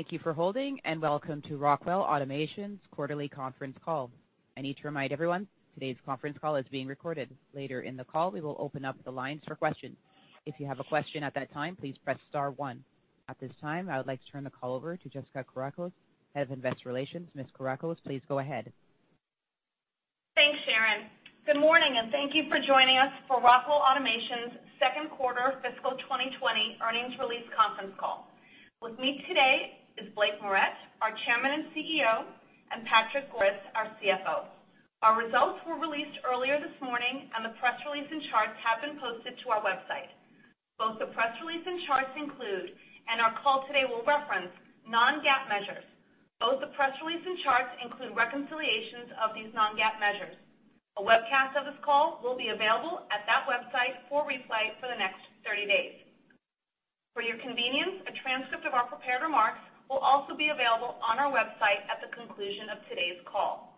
Thank you for holding, and welcome to Rockwell Automation's quarterly conference call. I need to remind everyone, today's conference call is being recorded. Later in the call, we will open up the lines for questions. If you have a question at that time, please press star one. At this time, I would like to turn the call over to Jessica Kourakos, Head of Investor Relations. Ms. Kourakos, please go ahead. Thanks, Sharon. Good morning, and thank you for joining us for Rockwell Automation's second quarter fiscal 2020 earnings release conference call. With me today is Blake Moret, our Chairman and CEO, and Patrick Goris, our CFO. Our results were released earlier this morning, and the press release and charts have been posted to our website. Both the press release and charts include, and our call today will reference, non-GAAP measures. Both the press release and charts include reconciliations of these non-GAAP measures. A webcast of this call will be available at that website for replay for the next 30 days. For your convenience, a transcript of our prepared remarks will also be available on our website at the conclusion of today's call.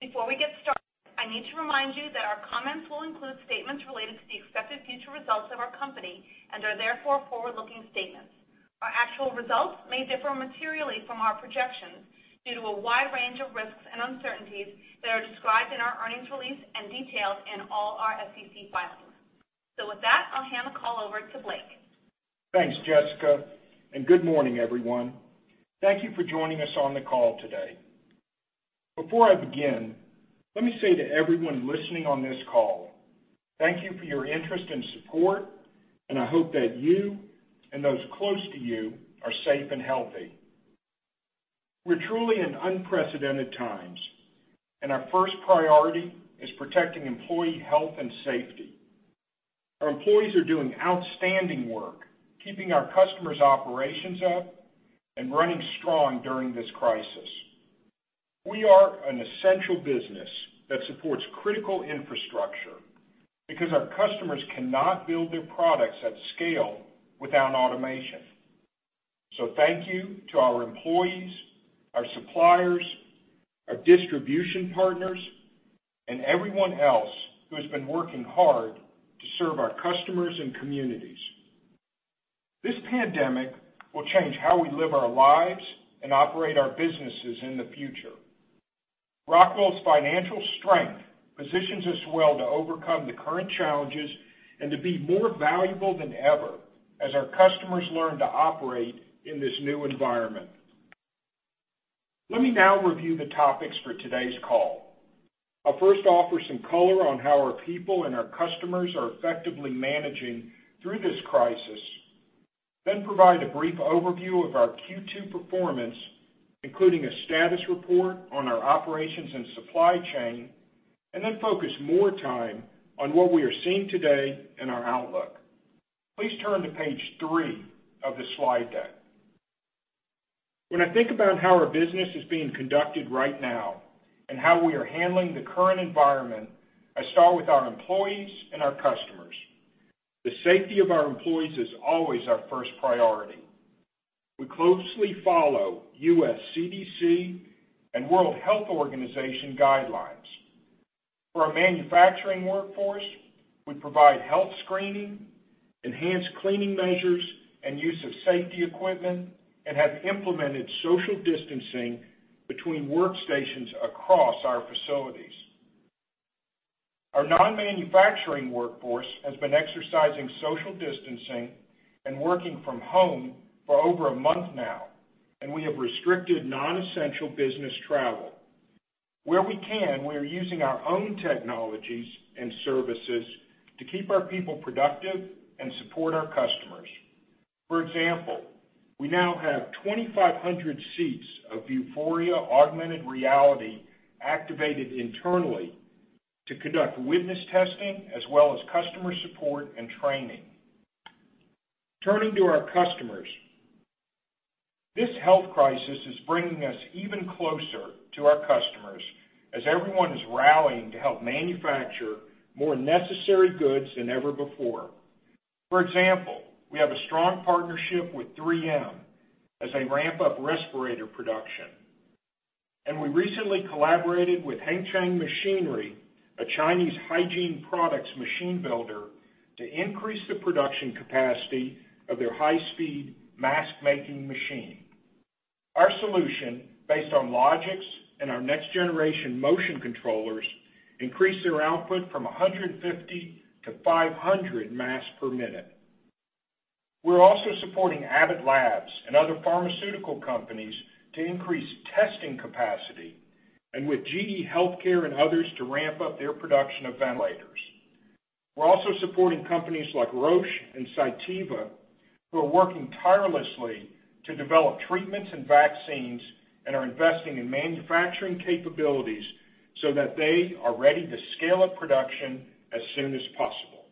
Before we get started, I need to remind you that our comments will include statements related to the expected future results of our company, and are therefore forward-looking statements. Our actual results may differ materially from our projections due to a wide range of risks and uncertainties that are described in our earnings release and detailed in all our SEC filings. With that, I'll hand the call over to Blake. Thanks, Jessica. Good morning, everyone. Thank you for joining us on the call today. Before I begin, let me say to everyone listening on this call, thank you for your interest and support, and I hope that you and those close to you are safe and healthy. We're truly in unprecedented times, and our first priority is protecting employee health and safety. Our employees are doing outstanding work, keeping our customers' operations up and running strong during this crisis. We are an essential business that supports critical infrastructure, because our customers cannot build their products at scale without automation. Thank you to our employees, our suppliers, our distribution partners, and everyone else who has been working hard to serve our customers and communities. This pandemic will change how we live our lives and operate our businesses in the future. Rockwell's financial strength positions us well to overcome the current challenges and to be more valuable than ever as our customers learn to operate in this new environment. Let me now review the topics for today's call. I'll first offer some color on how our people and our customers are effectively managing through this crisis. Provide a brief overview of our Q2 performance, including a status report on our operations and supply chain, and then focus more time on what we are seeing today and our outlook. Please turn to page three of the slide deck. When I think about how our business is being conducted right now and how we are handling the current environment, I start with our employees and our customers. The safety of our employees is always our first priority. We closely follow U.S. CDC and World Health Organization guidelines. For our manufacturing workforce, we provide health screening, enhanced cleaning measures, and use of safety equipment, and have implemented social distancing between workstations across our facilities. Our non-manufacturing workforce has been exercising social distancing and working from home for over a month now, and we have restricted non-essential business travel. Where we can, we are using our own technologies and services to keep our people productive and support our customers. For example, we now have 2,500 seats of Vuforia augmented reality activated internally to conduct witness testing as well as customer support and training. Turning to our customers, this health crisis is bringing us even closer to our customers as everyone is rallying to help manufacture more necessary goods than ever before. For example, we have a strong partnership with 3M as they ramp up respirator production. We recently collaborated with Hengchang Machinery, a Chinese hygiene products machine builder, to increase the production capacity of their high-speed mask-making machine. Our solution, based on Logix and our next-generation motion controllers, increased their output from 150-500 masks per minute. We're also supporting Abbott Labs and other pharmaceutical companies to increase testing capacity, and with GE HealthCare and others to ramp up their production of ventilators. We're also supporting companies like Roche and Cytiva, who are working tirelessly to develop treatments and vaccines and are investing in manufacturing capabilities so that they are ready to scale up production as soon as possible.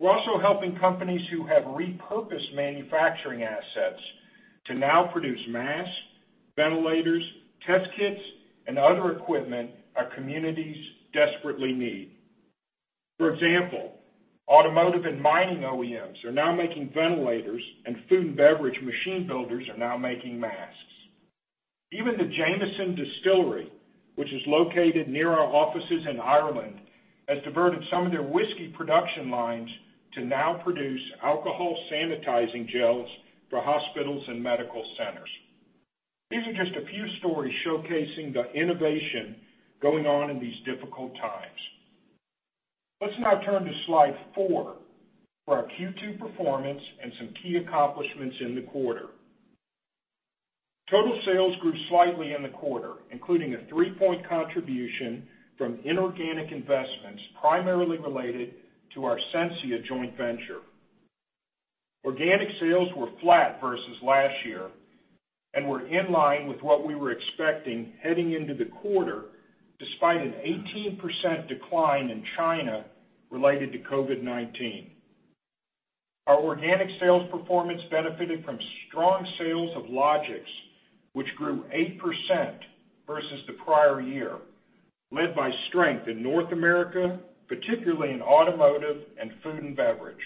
We're also helping companies who have re-purposed manufacturing assets to now produce masks, ventilators, test kits, and other equipment our communities desperately need. For example, automotive and mining OEMs are now making ventilators, and food and beverage machine builders are now making masks. Even the Jameson Distillery, which is located near our offices in Ireland, has diverted some of their whiskey production lines to now produce alcohol sanitizing gels for hospitals and medical centers. These are just a few stories showcasing the innovation going on in these difficult times. Let's now turn to slide four for our Q2 performance and some key accomplishments in the quarter. Total sales grew slightly in the quarter, including a three-point contribution from inorganic investments, primarily related to our Sensia joint venture. Organic sales were flat versus last year and were in line with what we were expecting heading into the quarter, despite an 18% decline in China related to COVID-19. Our organic sales performance benefited from strong sales of Logix, which grew 8% versus the prior year, led by strength in North America, particularly in automotive and food and beverage.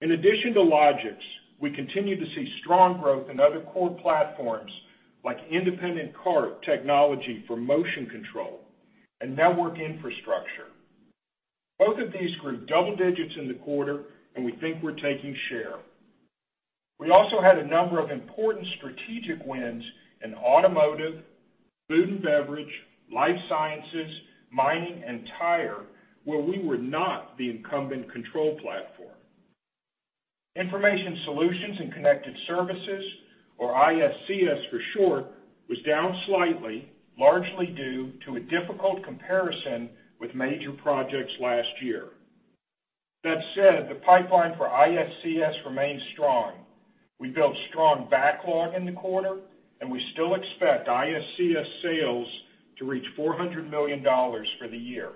In addition to Logix, we continue to see strong growth in other core platforms like independent cart technology for motion control and network infrastructure. Both of these grew double digits in the quarter, and we think we're taking share. We also had a number of important strategic wins in automotive, food and beverage, life sciences, mining, and tire, where we were not the incumbent control platform. Information Solutions and Connected Services, or ISCS for short, was down slightly, largely due to a difficult comparison with major projects last year. That said, the pipeline for ISCS remains strong. We built strong backlog in the quarter, and we still expect ISCS sales to reach $400 million for the year.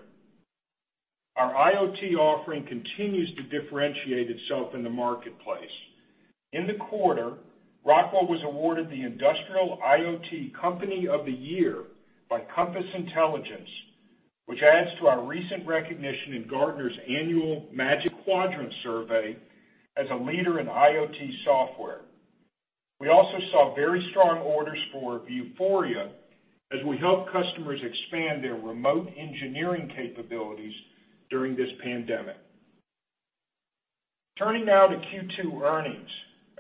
Our IoT offering continues to differentiate itself in the marketplace. In the quarter, Rockwell Automation was awarded the Industrial IoT Company of the Year by Compass Intelligence, which adds to our recent recognition in Gartner's annual Magic Quadrant survey as a leader in IoT software. We also saw very strong orders for Vuforia as we help customers expand their remote engineering capabilities during this pandemic. Turning now to Q2 earnings,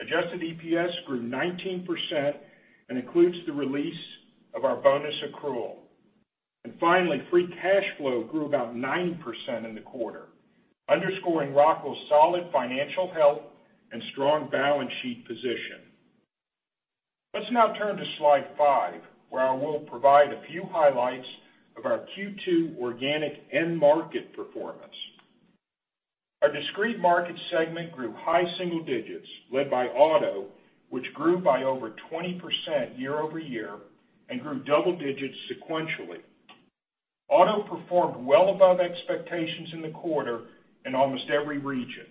adjusted EPS grew 19% and includes the release of our bonus accrual. Finally, free cash flow grew about 9% in the quarter, underscoring Rockwell Automation's solid financial health and strong balance sheet position. Let's now turn to slide five, where I will provide a few highlights of our Q2 organic end market performance. Our discrete market segment grew high single digits, led by auto, which grew by over 20% year-over-year and grew double digits sequentially. Auto performed well above expectations in the quarter in almost every region.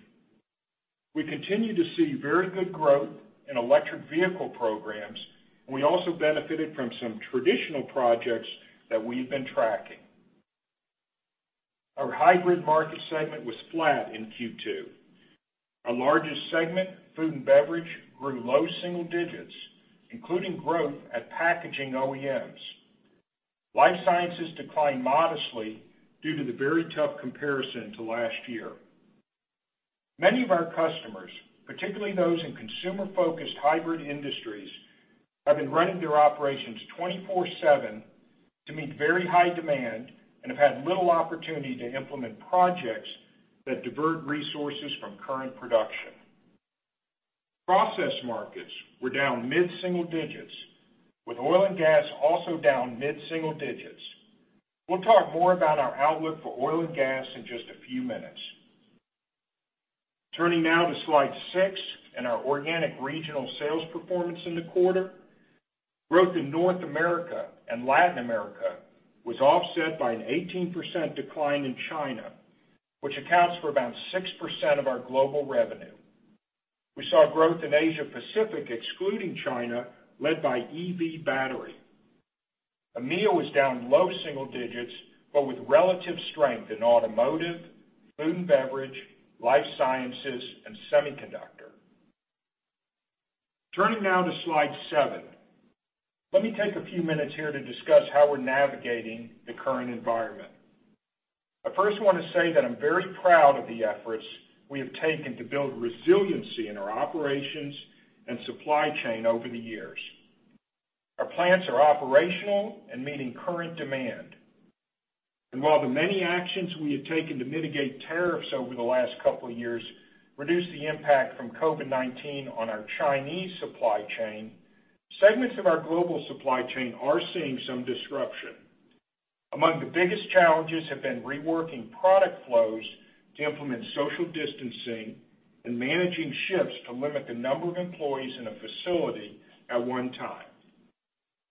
We continue to see very good growth in electric vehicle programs, and we also benefited from some traditional projects that we've been tracking. Our hybrid market segment was flat in Q2. Our largest segment, Food and Beverage, grew low single digits, including growth at packaging OEMs. Life Sciences declined modestly due to the very tough comparison to last year. Many of our customers, particularly those in consumer-focused hybrid industries, have been running their operations 24/7 to meet very high demand and have had little opportunity to implement projects that divert resources from current production. Process Markets were down mid-single digits, with oil and gas also down mid-single digits. We'll talk more about our outlook for oil and gas in just a few minutes. Turning now to slide six and our organic regional sales performance in the quarter, growth in North America and Latin America was offset by an 18% decline in China, which accounts for about 6% of our global revenue. We saw growth in Asia Pacific, excluding China, led by EV battery. EMEIA was down low single digits, but with relative strength in automotive, food and beverage, life sciences, and semiconductor. Turning now to slide seven, let me take a few minutes here to discuss how we're navigating the current environment. I first want to say that I'm very proud of the efforts we have taken to build resiliency in our operations and supply chain over the years. Our plants are operational and meeting current demand. While the many actions we have taken to mitigate tariffs over the last couple of years reduce the impact from COVID-19 on our Chinese supply chain, segments of our global supply chain are seeing some disruption. Among the biggest challenges have been reworking product flows to implement social distancing and managing shifts to limit the number of employees in a facility at one time.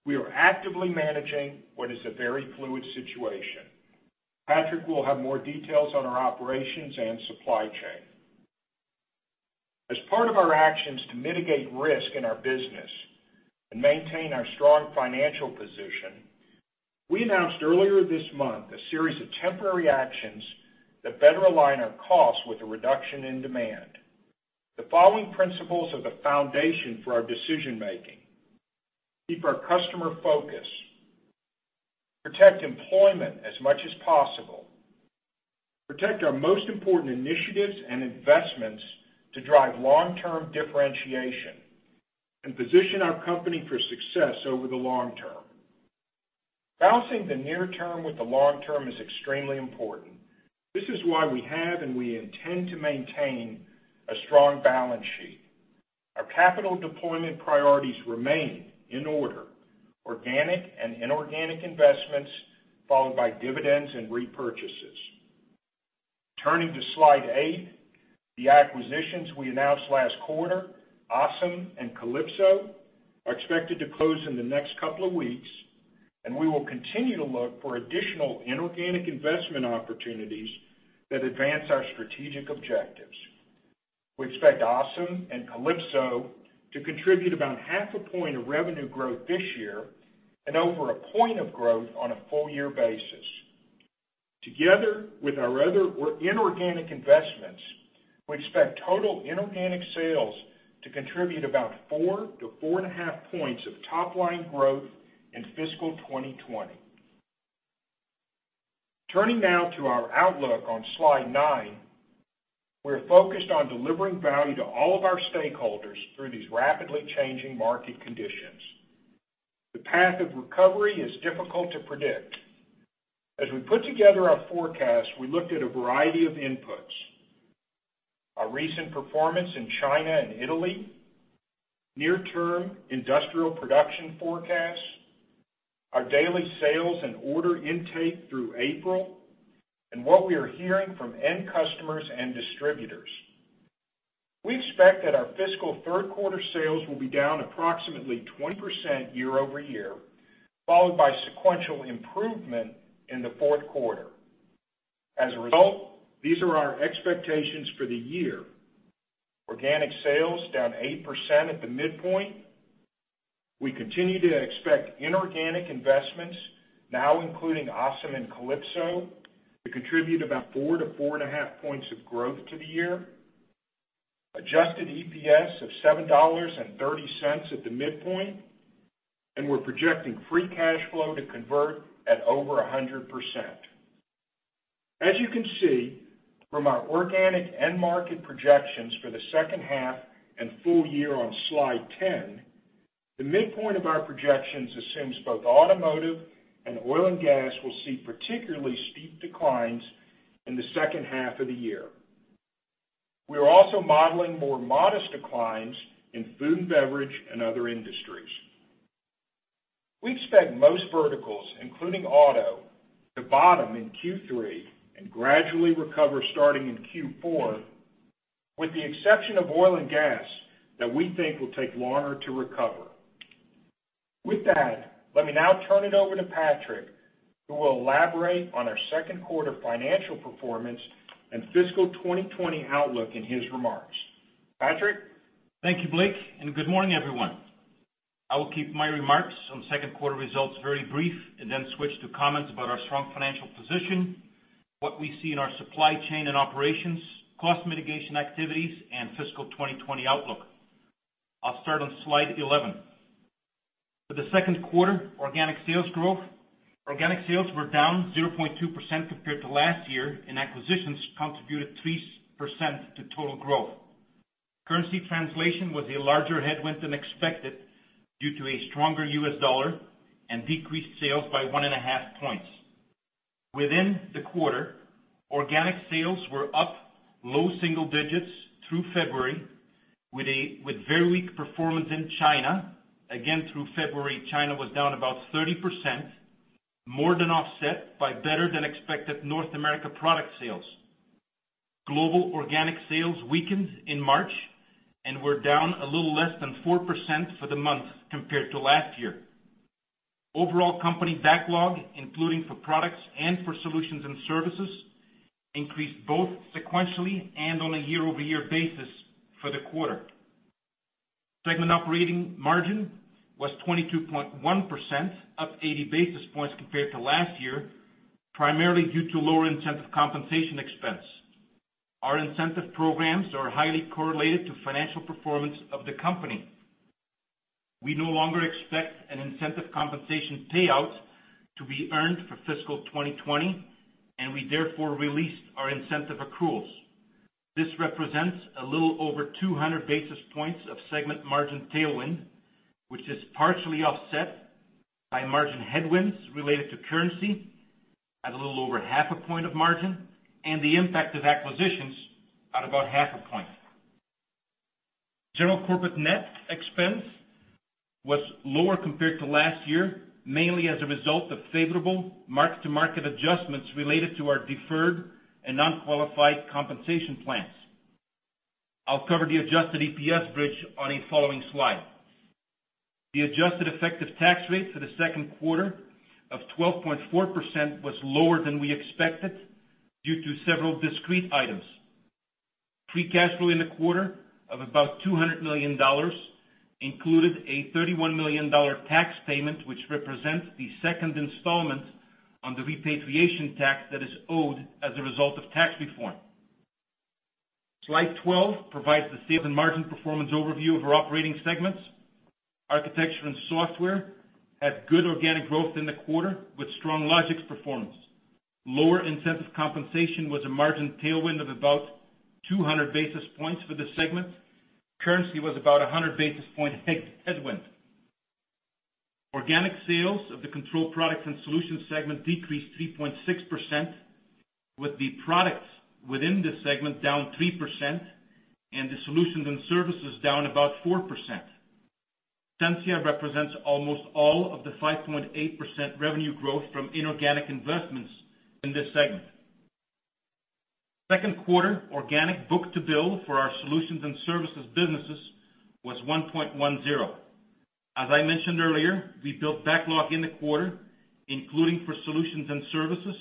We are actively managing what is a very fluid situation. Patrick will have more details on our operations and supply chain. As part of our actions to mitigate risk in our business and maintain our strong financial position, we announced earlier this month a series of temporary actions that better align our costs with the reduction in demand. The following principles are the foundation for our decision-making: Keep our customer focus, protect employment as much as possible, protect our most important initiatives and investments to drive long-term differentiation, and position our company for success over the long term. Balancing the near term with the long term is extremely important. This is why we have and we intend to maintain a strong balance sheet. Our capital deployment priorities remain in order: organic and inorganic investments, followed by dividends and repurchases. Turning to slide eight. The acquisitions we announced last quarter, ASEM and Kalypso, are expected to close in the next couple of weeks, and we will continue to look for additional inorganic investment opportunities that advance our strategic objectives. We expect ASEM and Kalypso to contribute about half a point of revenue growth this year and over one point of growth on a full year basis. Together with our other inorganic investments, we expect total inorganic sales to contribute about four to four and a half points of top-line growth in fiscal 2020. Turning now to our outlook on slide nine. We're focused on delivering value to all of our stakeholders through these rapidly changing market conditions. The path of recovery is difficult to predict. As we put together our forecast, we looked at a variety of inputs. Our recent performance in China and Italy, near-term industrial production forecasts, our daily sales and order intake through April, and what we are hearing from end customers and distributors. We expect that our fiscal third-quarter sales will be down approximately 20% year-over-year, followed by sequential improvement in the fourth quarter. These are our expectations for the year. Organic sales down 8% at the midpoint. We continue to expect inorganic investments now including ASEM and Kalypso, to contribute about 4-4.5 points of growth to the year. Adjusted EPS of $7.30 at the midpoint, and we're projecting free cash flow to convert at over 100%. As you can see from our organic end market projections for the second half and full year on slide 10, the midpoint of our projections assumes both automotive and oil and gas will see particularly steep declines in the second half of the year. We are also modeling more modest declines in food and beverage and other industries. We expect most verticals, including auto, to bottom in Q3 and gradually recover starting in Q4, with the exception of oil and gas, that we think will take longer to recover. With that, let me now turn it over to Patrick, who will elaborate on our second quarter financial performance and fiscal 2020 outlook in his remarks. Patrick? Thank you, Blake, and good morning, everyone. I will keep my remarks on second quarter results very brief and then switch to comments about our strong financial position, what we see in our supply chain and operations, cost mitigation activities, and fiscal 2020 outlook. I'll start on slide 11. For the second quarter, organic sales growth. Organic sales were down 0.2% compared to last year, and acquisitions contributed 3% to total growth. Currency translation was a larger headwind than expected due to a stronger U.S. dollar and decreased sales by 1.5 points. Within the quarter, organic sales were up low single digits through February with very weak performance in China. Again, through February, China was down about 30%, more than offset by better-than-expected North America product sales. Global organic sales weakened in March and were down a little less than 4% for the month compared to last year. Overall company backlog, including for products and for solutions and services, increased both sequentially and on a year-over-year basis for the quarter. Segment operating margin was 22.1%, up 80 basis points compared to last year, primarily due to lower incentive compensation expense. Our incentive programs are highly correlated to financial performance of the company. We no longer expect an incentive compensation payout to be earned for fiscal 2020, and we therefore released our incentive accruals. This represents a little over 200 basis points of segment margin tailwind, which is partially offset by margin headwinds related to currency at a little over half a point of margin and the impact of acquisitions at about half a point. General corporate net expense was lower compared to last year, mainly as a result of favorable mark-to-market adjustments related to our deferred and non-qualified compensation plans. I'll cover the adjusted EPS bridge on a following slide. The adjusted effective tax rate for the second quarter of 12.4% was lower than we expected due to several discrete items. Free cash flow in the quarter of about $200 million included a $31 million tax payment, which represents the second installment on the repatriation tax that is owed as a result of tax reform. Slide 12 provides the sales and margin performance overview of our operating segments. Architecture and software had good organic growth in the quarter with strong Logix performance. Lower incentive compensation was a margin tailwind of about 200 basis points for the segment. Currency was about 100 basis point headwind. Organic sales of the Control Products and Solutions segment decreased 3.6%, with the products within this segment down 3% and the solutions and services down about 4%. Sensia represents almost all of the 5.8% revenue growth from inorganic investments in this segment. Second quarter organic book to bill for our solutions and services businesses was 1.10. As I mentioned earlier, we built backlog in the quarter, including for solutions and services.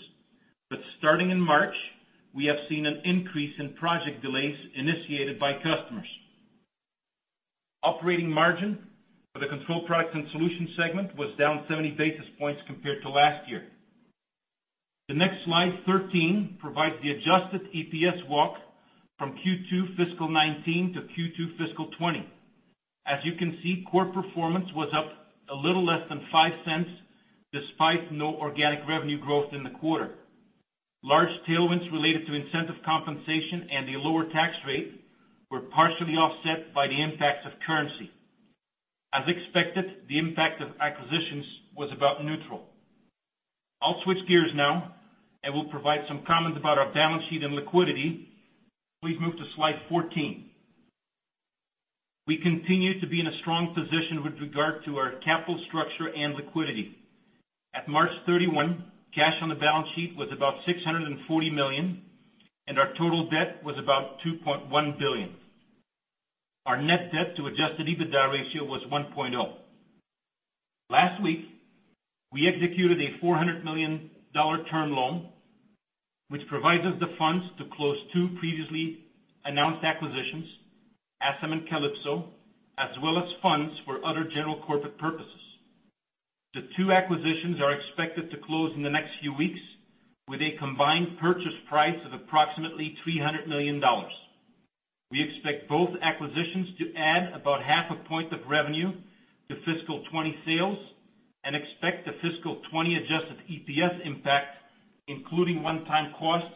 Starting in March, we have seen an increase in project delays initiated by customers. Operating margin for the Control Products and Solutions segment was down 70 basis points compared to last year. The next slide, 13, provides the adjusted EPS walk from Q2 fiscal 2019 to Q2 fiscal 2020. As you can see, core performance was up a little less than $0.05 despite no organic revenue growth in the quarter. Large tailwinds related to incentive compensation and a lower tax rate were partially offset by the impacts of currency. As expected, the impact of acquisitions was about neutral. I'll switch gears now and will provide some comments about our balance sheet and liquidity. Please move to slide 14. We continue to be in a strong position with regard to our capital structure and liquidity. At March 31, cash on the balance sheet was about $640 million, and our total debt was about $2.1 billion. Our net debt to adjusted EBITDA ratio was 1.0. Last week, we executed a $400 million term loan, which provides us the funds to close two previously announced acquisitions, ASEM and Kalypso, as well as funds for other general corporate purposes. The two acquisitions are expected to close in the next few weeks with a combined purchase price of approximately $300 million. We expect both acquisitions to add about half a point of revenue to fiscal 2020 sales and expect the fiscal 2020 adjusted EPS impact, including one-time costs,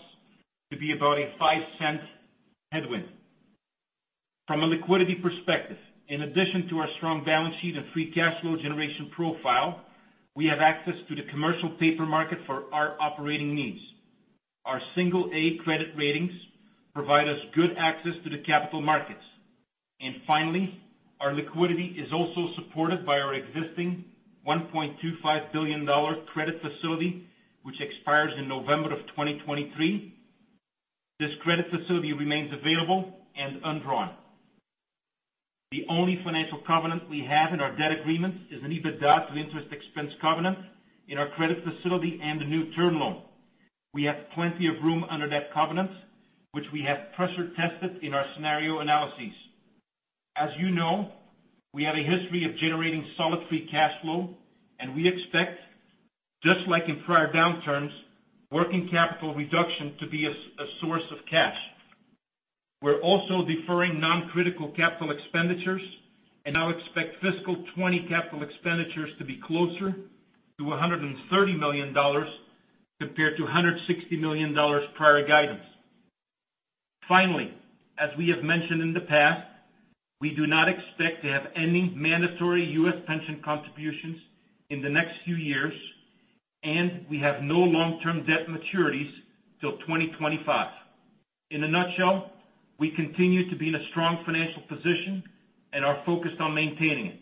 to be about a $0.05 headwind. From a liquidity perspective, in addition to our strong balance sheet and free cash flow generation profile, we have access to the commercial paper market for our operating needs. Our single A credit ratings provide us good access to the capital markets. Finally, our liquidity is also supported by our existing $1.25 billion credit facility, which expires in November of 2023. This credit facility remains available and undrawn. The only financial covenant we have in our debt agreement is an EBITDA to interest expense covenant in our credit facility and the new term loan. We have plenty of room under that covenant, which we have pressure tested in our scenario analyses. As you know, we have a history of generating solid free cash flow, and we expect, just like in prior downturns, working capital reduction to be a source of cash. We're also deferring non-critical capital expenditures and now expect fiscal 2020 capital expenditures to be closer to $130 million compared to $160 million prior guidance. Finally, as we have mentioned in the past, we do not expect to have any mandatory U.S. pension contributions in the next few years, and we have no long-term debt maturities till 2025. In a nutshell, we continue to be in a strong financial position and are focused on maintaining it.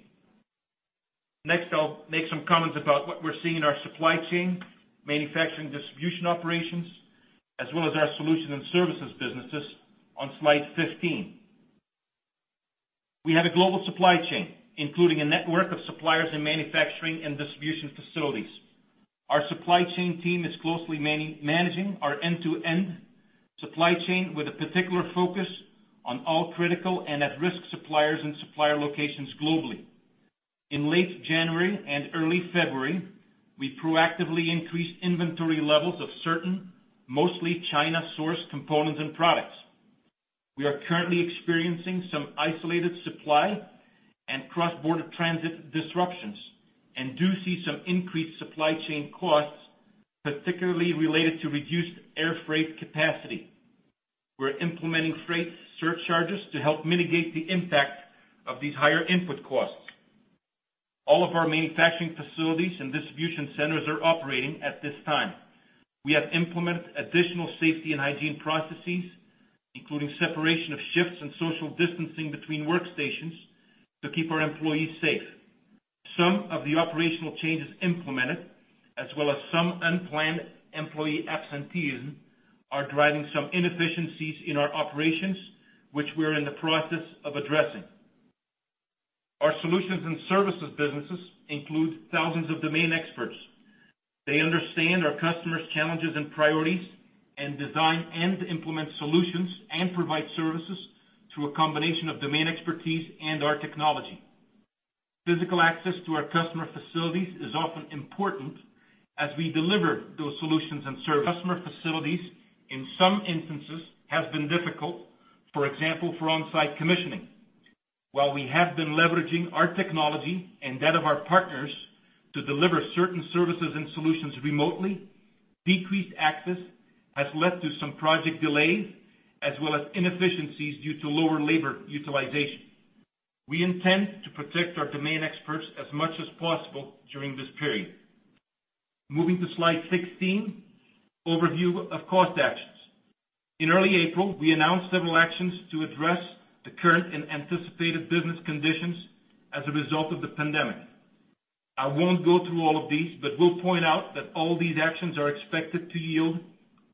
Next, I'll make some comments about what we're seeing in our supply chain, manufacturing distribution operations, as well as our solution and services businesses on slide 15. We have a global supply chain, including a network of suppliers in manufacturing and distribution facilities. Our supply chain team is closely managing our end-to-end supply chain with a particular focus on all critical and at-risk suppliers and supplier locations globally. In late January and early February, we proactively increased inventory levels of certain, mostly China-sourced components and products. We are currently experiencing some isolated supply and cross-border transit disruptions and do see some increased supply chain costs, particularly related to reduced air freight capacity. We're implementing freight surcharges to help mitigate the impact of these higher input costs. All of our manufacturing facilities and distribution centers are operating at this time. We have implemented additional safety and hygiene processes, including separation of shifts and social distancing between workstations to keep our employees safe. Some of the operational changes implemented, as well as some unplanned employee absenteeism, are driving some inefficiencies in our operations, which we're in the process of addressing. Our solutions and services businesses include thousands of domain experts. They understand our customers' challenges and priorities and design and implement solutions and provide services through a combination of domain expertise and our technology. Physical access to our customer facilities is often important as we deliver those solutions and services. Customer facilities, in some instances, have been difficult, for example, for on-site commissioning. While we have been leveraging our technology and that of our partners to deliver certain services and solutions remotely, decreased access has led to some project delays, as well as inefficiencies due to lower labor utilization. We intend to protect our domain experts as much as possible during this period. Moving to slide 16, overview of cost actions. In early April, we announced several actions to address the current and anticipated business conditions as a result of the pandemic. I won't go through all of these, but will point out that all these actions are expected to yield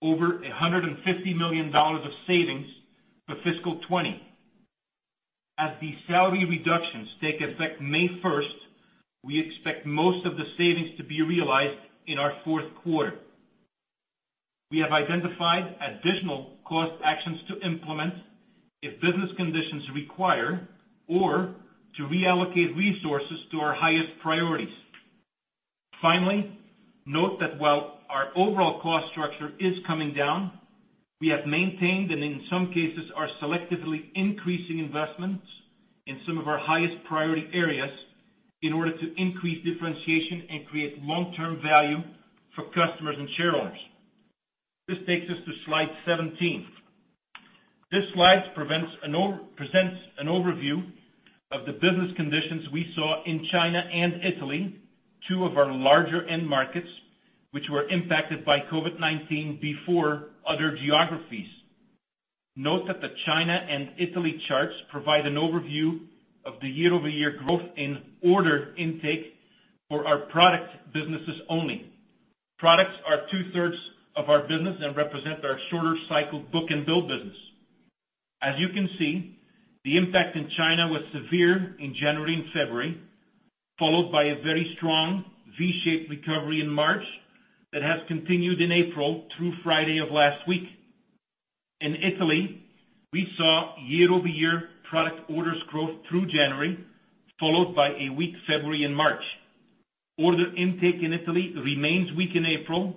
over $150 million of savings for fiscal 2020. As the salary reductions take effect May 1st, we expect most of the savings to be realized in our fourth quarter. We have identified additional cost actions to implement if business conditions require or to re-allocate resources to our highest priorities. Finally, note that while our overall cost structure is coming down, we have maintained, and in some cases are selectively increasing investments in some of our highest priority areas in order to increase differentiation and create long-term value for customers and shareholders. This takes us to slide 17. This slide presents an overview of the business conditions we saw in China and Italy, two of our larger end markets, which were impacted by COVID-19 before other geographies. Note that the China and Italy charts provide an overview of the year-over-year growth in order intake for our product businesses only. Products are 2/3 of our business and represent our shorter cycle book and build business. You can see, the impact in China was severe in January and February, followed by a very strong V-shaped recovery in March that has continued in April through Friday of last week. In Italy, we saw year-over-year product orders growth through January, followed by a weak February and March. Order intake in Italy remains weak in April,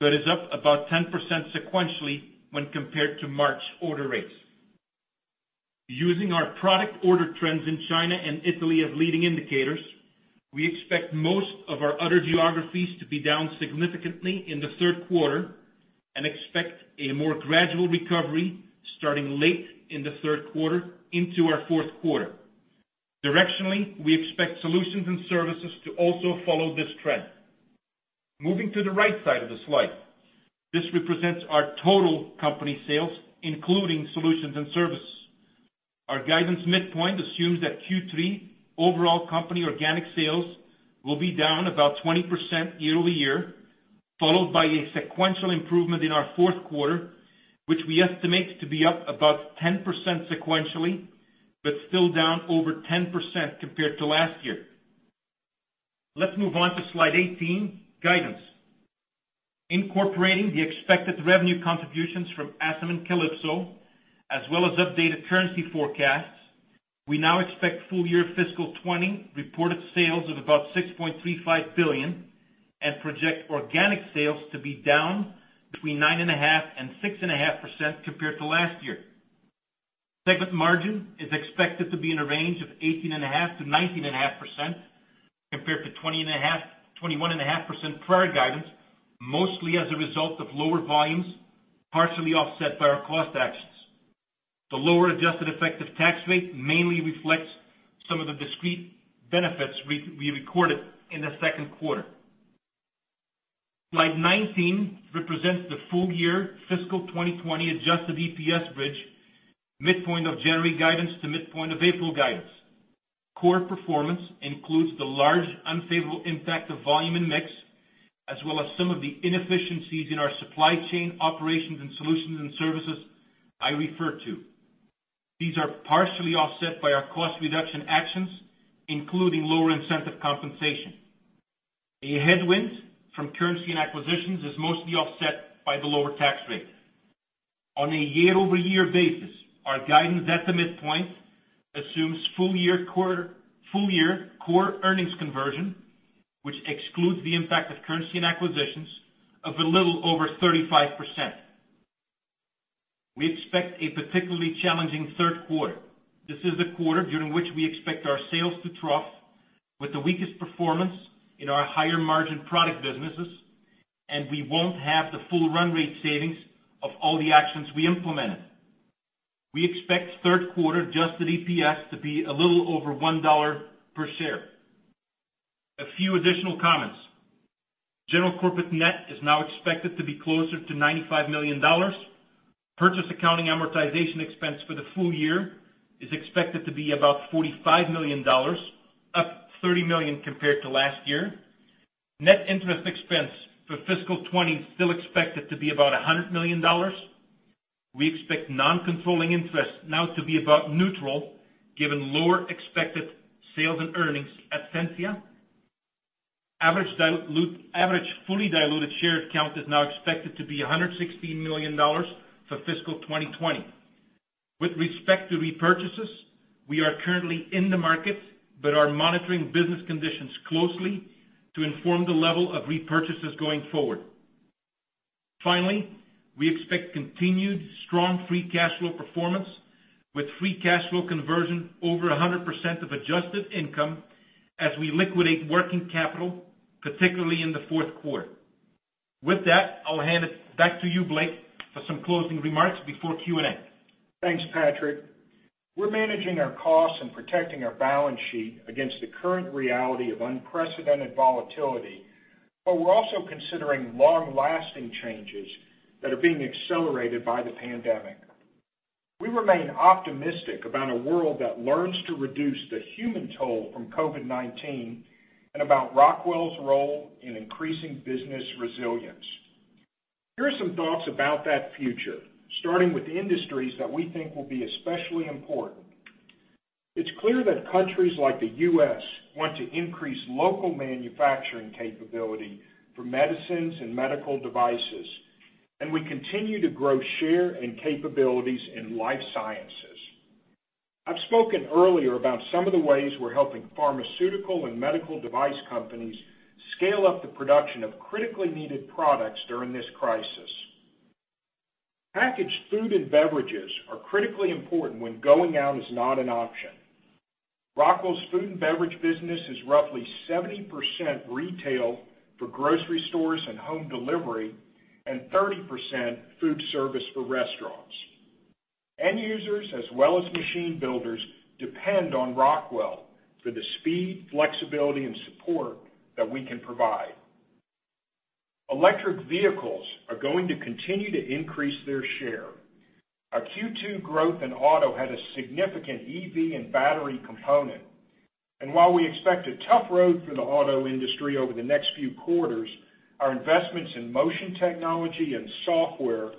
is up about 10% sequentially when compared to March order rates. Using our product order trends in China and Italy as leading indicators, we expect most of our other geographies to be down significantly in the third quarter and expect a more gradual recovery starting late in the third quarter into our fourth quarter. Directionally, we expect solutions and services to also follow this trend. Moving to the right side of the slide. This represents our total company sales, including solutions and services. Our guidance midpoint assumes that Q3 overall company organic sales will be down about 20% year-over-year, followed by a sequential improvement in our fourth quarter, which we estimate to be up about 10% sequentially, but still down over 10% compared to last year. Let's move on to slide 18, guidance. Incorporating the expected revenue contributions from ASEM and Kalypso, as well as updated currency forecasts, we now expect full year fiscal 2020 reported sales of about $6.35 billion and project organic sales to be down between 9.5% and 6.5% compared to last year. Segment margin is expected to be in a range of 18.5%-19.5% compared to 21.5% prior guidance, mostly as a result of lower volumes, partially offset by our cost actions. The lower adjusted effective tax rate mainly reflects some of the discrete benefits we recorded in the second quarter. Slide 19 represents the full year fiscal 2020 adjusted EPS bridge, midpoint of January guidance to midpoint of April guidance. Core performance includes the large unfavorable impact of volume and mix, as well as some of the inefficiencies in our supply chain operations and solutions and services I referred to. These are partially offset by our cost reduction actions, including lower incentive compensation. A headwind from currency and acquisitions is mostly offset by the lower tax rate. On a year-over-year basis, our guidance at the midpoint assumes full-year core earnings conversion, which excludes the impact of currency and acquisitions of a little over 35%. We expect a particularly challenging third quarter. This is the quarter during which we expect our sales to trough with the weakest performance in our higher margin product businesses, and we won't have the full run rate savings of all the actions we implemented. We expect third quarter adjusted EPS to be a little over $1 per share. A few additional comments. General corporate net is now expected to be closer to $95 million. Purchase accounting amortization expense for the full year is expected to be about $45 million, up $30 million compared to last year. Net interest expense for fiscal 2020 still expected to be about $100 million. We expect non-controlling interest now to be about neutral, given lower expected sales and earnings at Sensia. Average fully diluted share count is now expected to be $116 million for fiscal 2020. With respect to repurchases, we are currently in the market, but are monitoring business conditions closely to inform the level of repurchases going forward. Finally, we expect continued strong free cash flow performance with free cash flow conversion over 100% of adjusted income as we liquidate working capital, particularly in the fourth quarter. With that, I'll hand it back to you, Blake, for some closing remarks before Q&A. Thanks, Patrick. We're managing our costs and protecting our balance sheet against the current reality of unprecedented volatility. We're also considering long-lasting changes that are being accelerated by the pandemic. We remain optimistic about a world that learns to reduce the human toll from COVID-19 and about Rockwell's role in increasing business resilience. Here are some thoughts about that future, starting with industries that we think will be especially important. It's clear that countries like the U.S. want to increase local manufacturing capability for medicines and medical devices. We continue to grow, share, and capabilities in life sciences. I've spoken earlier about some of the ways we're helping pharmaceutical and medical device companies scale up the production of critically needed products during this crisis. Packaged food and beverages are critically important when going out is not an option. Rockwell's food and beverage business is roughly 70% retail for grocery stores and home delivery and 30% food service for restaurants. End users as well as machine builders depend on Rockwell for the speed, flexibility, and support that we can provide. Electric vehicles are going to continue to increase their share. Our Q2 growth in auto had a significant EV and battery component. While we expect a tough road for the auto industry over the next few quarters, our investments in motion technology and software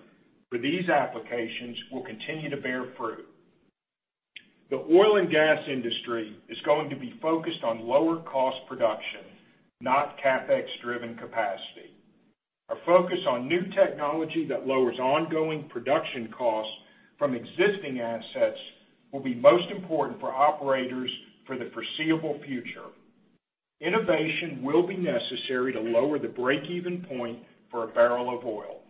for these applications will continue to bear fruit. The oil and gas industry is going to be focused on lower cost production, not CapEx-driven capacity. Our focus on new technology that lowers ongoing production costs from existing assets will be most important for operators for the foreseeable future. Innovation will be necessary to lower the break-even point for a barrel of oil.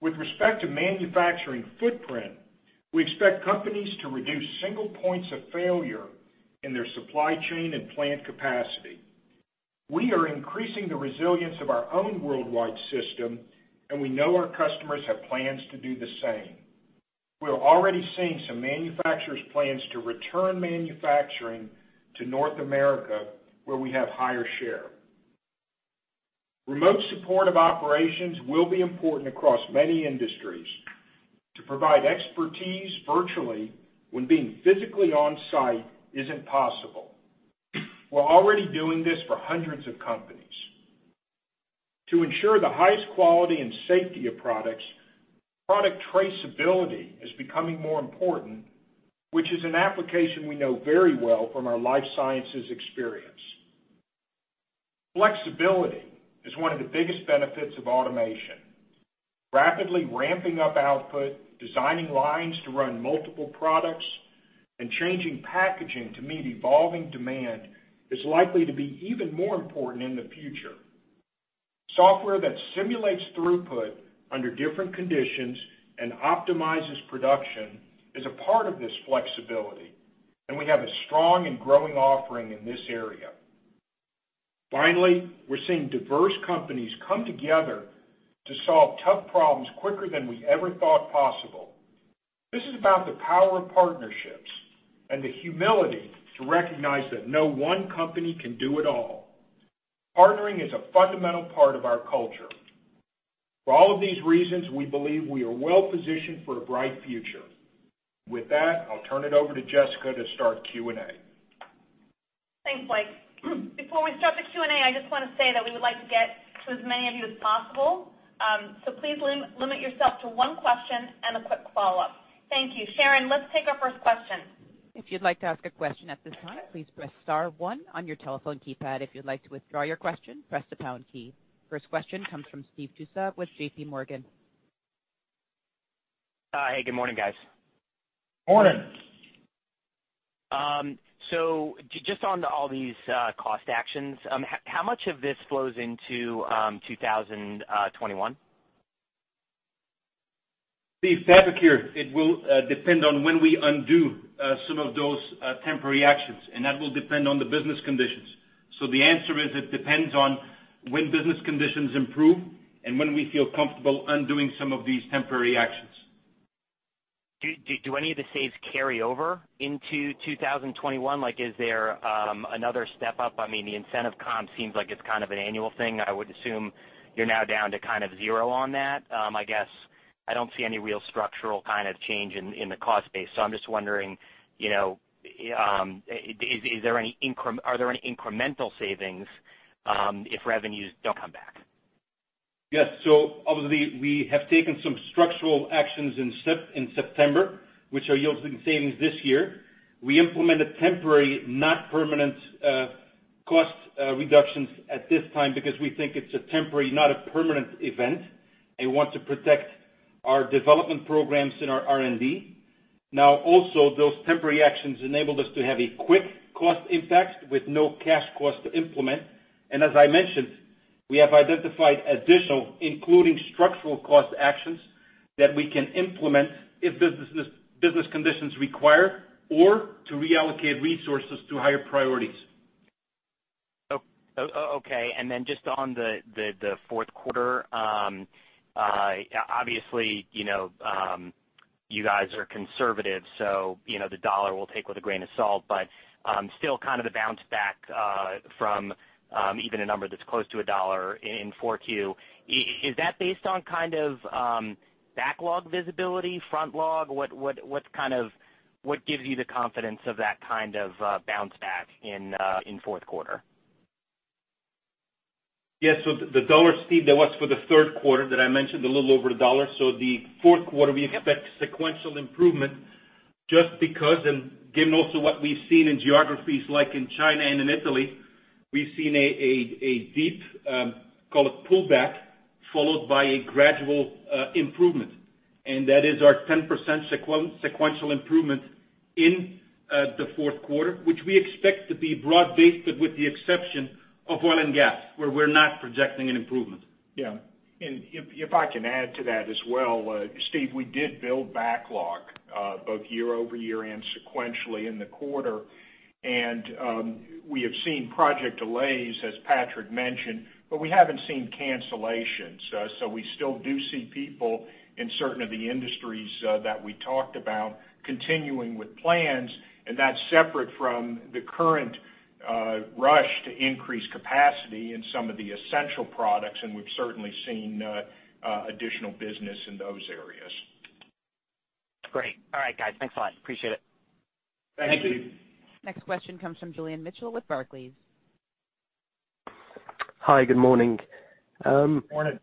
With respect to manufacturing footprint, we expect companies to reduce single points of failure in their supply chain and plant capacity. We are increasing the resilience of our own worldwide system, and we know our customers have plans to do the same. We are already seeing some manufacturers' plans to return manufacturing to North America where we have higher share. Remote support of operations will be important across many industries to provide expertise virtually when being physically on-site isn't possible. We're already doing this for hundreds of companies. To ensure the highest quality and safety of products, product traceability is becoming more important, which is an application we know very well from our life sciences experience. Flexibility is one of the biggest benefits of automation. Rapidly ramping up output, designing lines to run multiple products, and changing packaging to meet evolving demand is likely to be even more important in the future. Software that simulates throughput under different conditions and optimizes production is a part of this flexibility, and we have a strong and growing offering in this area. Finally, we're seeing diverse companies come together to solve tough problems quicker than we ever thought possible. This is about the power of partnerships and the humility to recognize that no one company can do it all. Partnering is a fundamental part of our culture. For all of these reasons, we believe we are well positioned for a bright future. With that, I'll turn it over to Jessica to start Q&A. Thanks, Blake. Before we start the Q&A, I just want to say that we would like to get to as many of you as possible. Please limit yourself to one question and a quick follow-up. Thank you. Sharon, let's take our first question. If you'd like to ask a question at this time, please press star one on your telephone keypad. If you'd like to withdraw your question, press the pound key. First question comes from Steve Tusa with JPMorgan. Hi, good morning, guys. Morning. Just on all these cost actions, how much of this flows into 2021? Steve, Patrick here. It will depend on when we undo some of those temporary actions, and that will depend on the business conditions. The answer is it depends on when business conditions improve and when we feel comfortable undoing some of these temporary actions. Do any of the saves carry over into 2021? Like, is there another step up? I mean, the incentive comp seems like it's kind of an annual thing. I would assume you're now down to kind of zero on that. I guess I don't see any real structural kind of change in the cost base. I'm just wondering, are there any incremental savings if revenues don't come back? Yes. Obviously, we have taken some structural actions in September, which are yielding savings this year. We implemented temporary, not permanent, cost reductions at this time because we think it's a temporary, not a permanent event, and want to protect our development programs in our R&D. Also, those temporary actions enabled us to have a quick cost impact with no cash cost to implement. As I mentioned, we have identified additional, including structural cost actions, that we can implement if business conditions require or to reallocate resources to higher priorities. Okay. Just on the fourth quarter, obviously, you guys are conservative, so the dollar we'll take with a grain of salt, but still kind of the bounce back from even a number that's close to a dollar in 4Q. Is that based on kind of backlog visibility, front log? What gives you the confidence of that kind of bounce back in fourth quarter? Yes. The dollar, Steve, that was for the third quarter that I mentioned, a little over $1. The fourth quarter, we expect sequential improvement just because, and given also what we've seen in geographies like in China and in Italy, we've seen a deep, call it pullback, followed by a gradual improvement. That is our 10% sequential improvement in the fourth quarter, which we expect to be broad-based, but with the exception of oil and gas, where we're not projecting an improvement. Yeah. If I can add to that as well, Steve, we did build backlog, both year-over-year and sequentially in the quarter. We have seen project delays, as Patrick mentioned, but we haven't seen cancellations. We still do see people in certain of the industries that we talked about continuing with plans, and that's separate from the current rush to increase capacity in some of the essential products, and we've certainly seen additional business in those areas. Great. All right, guys. Thanks a lot. Appreciate it. Thank you. Thanks, Steve. Next question comes from Julian Mitchell with Barclays. Hi, good morning. Morning.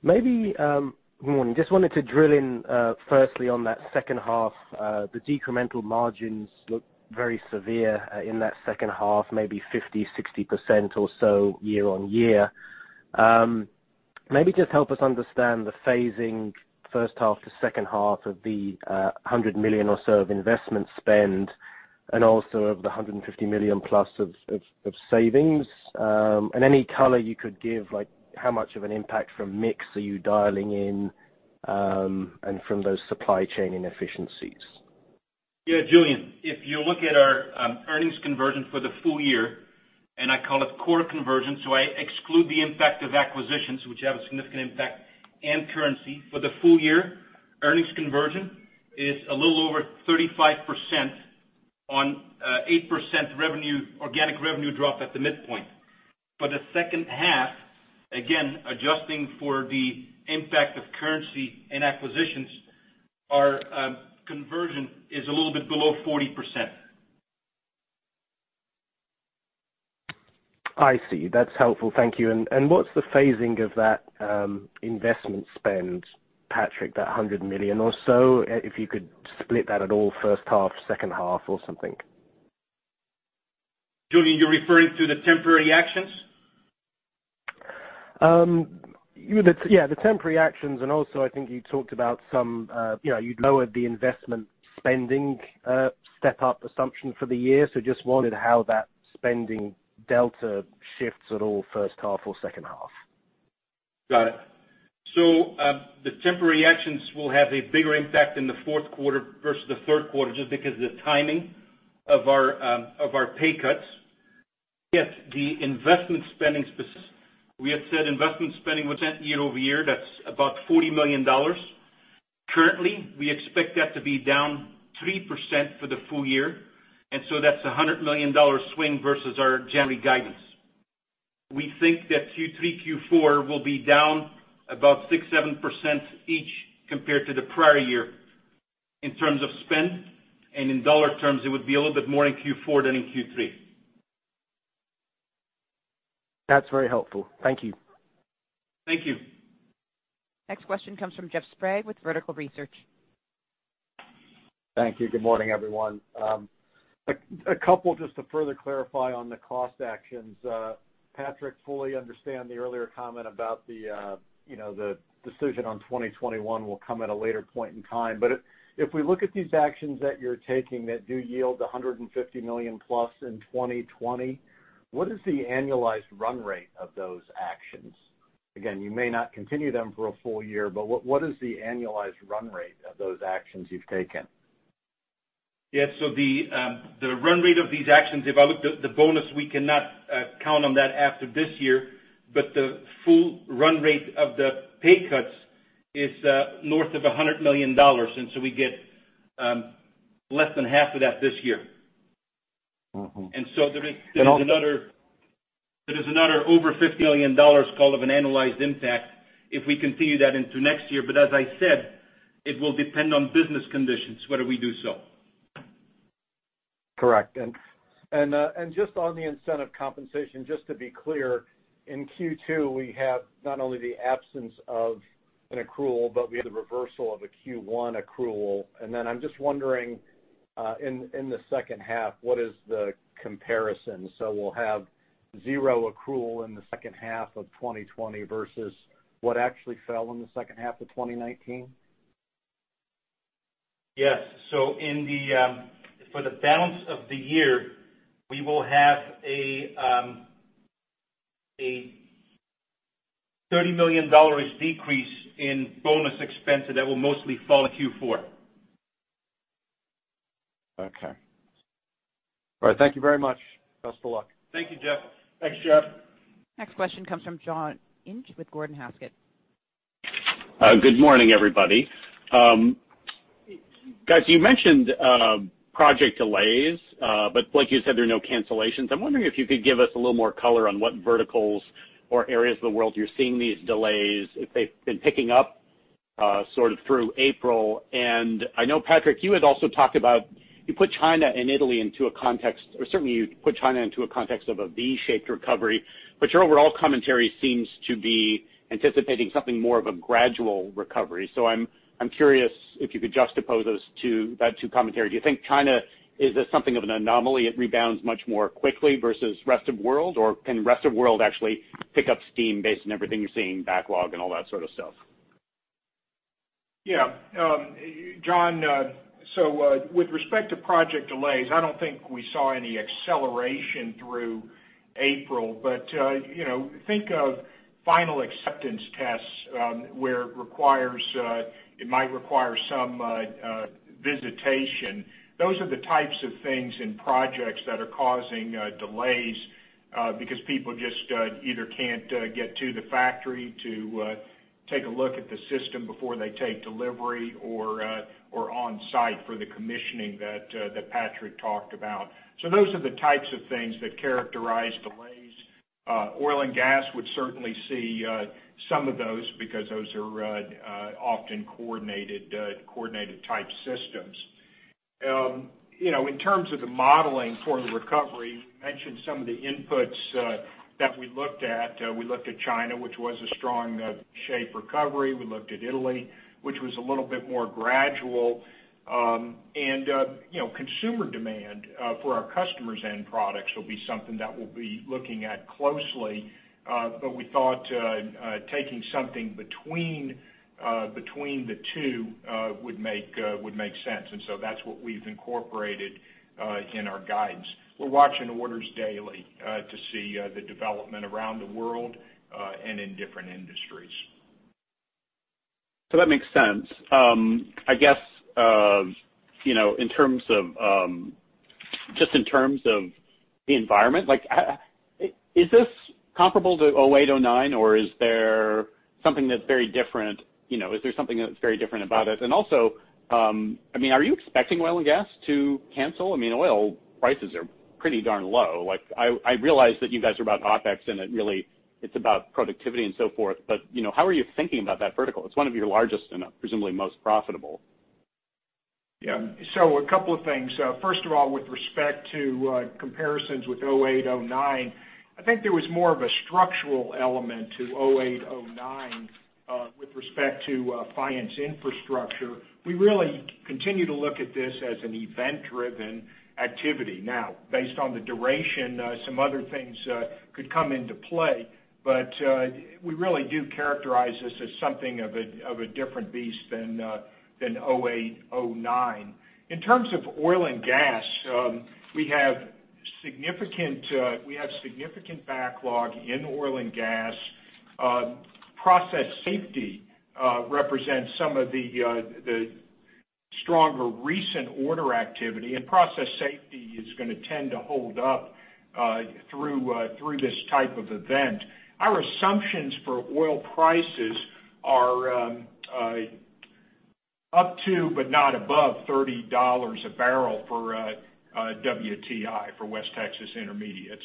Good morning. Just wanted to drill in, firstly, on that second half. The decremental margins look very severe in that second half, maybe 50%-60% or so year-over-year. Maybe just help us understand the phasing first half to second half of the $100 million or so of investment spend and also of the +$150 million of savings. Any color you could give, like how much of an impact from mix are you dialing in, and from those supply chain inefficiencies? Yeah, Julian, if you look at our earnings conversion for the full year, and I call it core conversion, so I exclude the impact of acquisitions, which have a significant impact in currency. For the full year, earnings conversion is a little over 35% on 8% organic revenue drop at the midpoint. For the second half, again, adjusting for the impact of currency and acquisitions, our conversion is a little bit below 40%. I see. That's helpful. Thank you. What's the phasing of that investment spend, Patrick, that $100 million or so? If you could split that at all, first half, second half or something. Julian, you're referring to the temporary actions? Yeah, the temporary actions, and also, I think you talked about you'd lowered the investment spending step up assumption for the year. Just wondered how that spending delta shifts at all first half or second half. Got it. The temporary actions will have a bigger impact in the fourth quarter versus the third quarter just because of the timing of our pay cuts. We have said investment spending was year-over-year. That's about $40 million. Currently, we expect that to be down 3% for the full year, that's $100 million swing versus our January guidance. We think that Q3, Q4 will be down about 6%, 7% each compared to the prior year in terms of spend. In dollar terms, it would be a little bit more in Q4 than in Q3. That's very helpful. Thank you. Thank you. Next question comes from Jeff Sprague with Vertical Research. Thank you. Good morning, everyone. A couple just to further clarify on the cost actions. Patrick, fully understand the earlier comment about the decision on 2021 will come at a later point in time. If we look at these actions that you're taking that do yield +$150 million in 2020, what is the annualized run rate of those actions? Again, you may not continue them for a full year, but what is the annualized run rate of those actions you've taken? The run rate of these actions, if I look, the bonus, we cannot count on that after this year, but the full run rate of the pay cuts is north of $100 million, and so we get less than half of that this year. There is another over $50 million call of an annualized impact if we continue that into next year. As I said, it will depend on business conditions whether we do so. Correct. Just on the incentive compensation, just to be clear, in Q2, we have not only the absence of an accrual, but we have the reversal of a Q1 accrual. I'm just wondering, in the second half, what is the comparison? We'll have zero accrual in the second half of 2020 versus what actually fell in the second half of 2019? Yes. For the balance of the year, we will have a $30 million decrease in bonus expenses that will mostly fall in Q4. Okay. All right. Thank you very much. Best of luck. Thank you, Jeff. Thanks, Jeff. Next question comes from John Inch with Gordon Haskett. Good morning, everybody. Guys, you mentioned project delays, but like you said, there are no cancellations. I'm wondering if you could give us a little more color on what verticals or areas of the world you're seeing these delays, if they've been picking up sort of through April. I know, Patrick, you had also talked about you put China and Italy into a context, or certainly you put China into a context of a V-shaped recovery. Your overall commentary seems to be anticipating something more of a gradual recovery. I'm curious if you could juxtapose that two commentary. Do you think China, is this something of an anomaly? It rebounds much more quickly versus rest of world, or can rest of world actually pick up steam based on everything you're seeing, backlog and all that sort of stuff? Yeah. John, with respect to project delays, I don't think we saw any acceleration through April. Think of final acceptance tests where it might require some visitation. Those are the types of things in projects that are causing delays, because people just either can't get to the factory to take a look at the system before they take delivery or on-site for the commissioning that Patrick talked about. Those are the types of things that characterize delays. Oil and gas would certainly see some of those because those are often coordinated type systems. In terms of the modeling for the recovery, we mentioned some of the inputs that we looked at. We looked at China, which was a strong shape recovery. We looked at Italy, which was a little bit more gradual. Consumer demand for our customers' end products will be something that we'll be looking at closely. We thought taking something between the two would make sense. That's what we've incorporated in our guidance. We're watching orders daily to see the development around the world and in different industries. That makes sense. I guess, just in terms of the environment, is this comparable to 2008, 2009, or is there something that's very different about it? Are you expecting oil and gas to cancel? Oil prices are pretty darn low. I realize that you guys are about OpEx, and it really it's about productivity and so forth, but how are you thinking about that vertical? It's one of your largest and presumably most profitable. Yeah. A couple of things. First of all, with respect to comparisons with 2008, 2009, I think there was more of a structural element to 2008, 2009, with respect to finance infrastructure. We really continue to look at this as an event-driven activity. Now, based on the duration, some other things could come into play, but we really do characterize this as something of a different beast than 2008, 2009. In terms of oil and gas, we have significant backlog in oil and gas. Process safety represents some of the stronger recent order activity, and process safety is going to tend to hold up through this type of event. Our assumptions for oil prices are up to, but not above $30 a barrel for WTI, for West Texas Intermediate.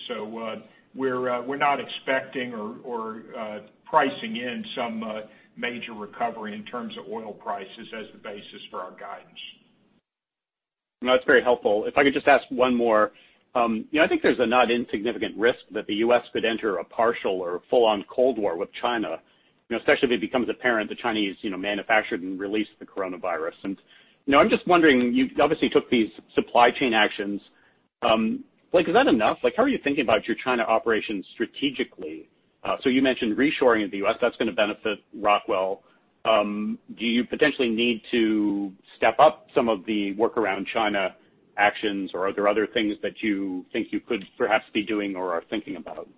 We're not expecting or pricing in some major recovery in terms of oil prices as the basis for our guidance. No, that's very helpful. If I could just ask one more. I think there's a not insignificant risk that the U.S. could enter a partial or full-on Cold War with China, especially if it becomes apparent the Chinese manufactured and released the coronavirus. I'm just wondering, you obviously took these supply chain actions. Is that enough? How are you thinking about your China operations strategically? You mentioned reshoring in the U.S., that's going to benefit Rockwell. Do you potentially need to step up some of the workaround China actions, or are there other things that you think you could perhaps be doing or are thinking about?